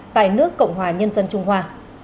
tại nước cộng hòa nhân dân trung hoa